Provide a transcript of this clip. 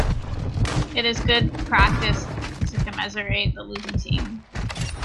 It is good practice to commiserate the losing team.